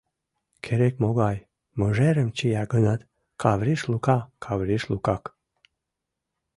Керек-могай мыжерым чия гынат, Кавриш Лука — Кавриш Лукак.